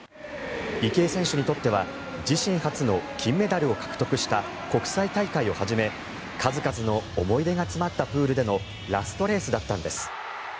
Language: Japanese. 池江選手にとっては自身初の金メダルを獲得した国際大会をはじめ数々の思い出が詰まったプールでのラストレースだったんです。